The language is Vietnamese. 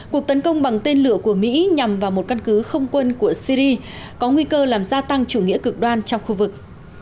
cuộc tấn công bằng tên lửa của mỹ nhằm vào một căn cứ không quân của syri có nguy cơ làm gia tăng chủ nghĩa cực đoan trong khu vực